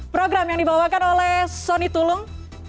program yang dibawakan oleh sony tulung